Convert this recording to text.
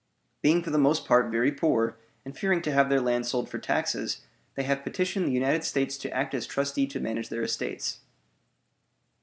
Being for the most part very poor and fearing to have their land sold for taxes, they have petitioned the United States to act as trustee to manage their estates.